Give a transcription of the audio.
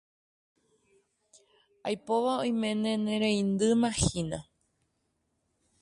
Aipóva oiméne ne reindymahína.